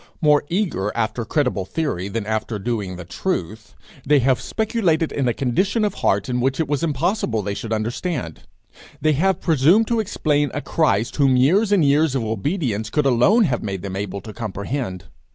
More eager after credible theory than after doing the truth, they have speculated in a condition of heart in which it was impossible they should understand; they have presumed to explain a Christ whom years and years of obedience could alone have made them able to comprehend.